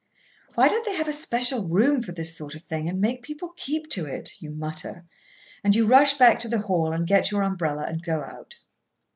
"Why don't they have a special room for this sort of thing, and make people keep to it?" you mutter; and you rush back to the hall and get your umbrella and go out.